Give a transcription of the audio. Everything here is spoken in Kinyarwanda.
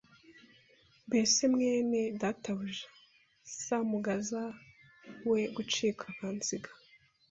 mbese mwene databuja Semugaza we gucika akansiga